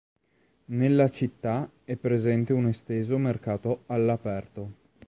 Nella città è presente un esteso mercato all'aperto.